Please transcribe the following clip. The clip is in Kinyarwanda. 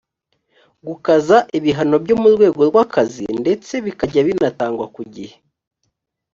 gukaza ibihano byo mu rwego rw’akazi ndetse bikajya binatangwa ku gihe